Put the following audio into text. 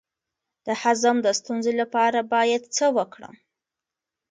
د هضم د ستونزې لپاره باید څه وکړم؟